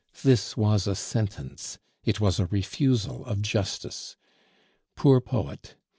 This was a sentence, it was a refusal of justice. Poor poet!